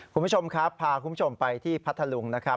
คุณผู้ชมครับพาคุณผู้ชมไปที่พัทธลุงนะครับ